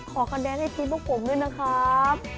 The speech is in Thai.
ขอคะแนนให้ทีมพวกผมด้วยนะครับ